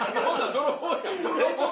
泥棒やん。